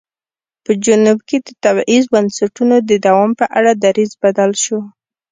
په جنوب کې د تبعیض بنسټونو د دوام په اړه دریځ بدل شو.